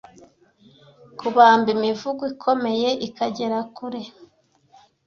kubamba imivugo ikomeye ikagera kure